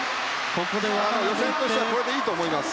予選としてはこれでいいと思いますよ。